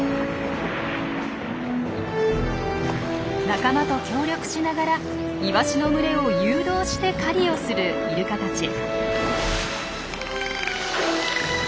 仲間と協力しながらイワシの群れを誘導して狩りをするイルカたち。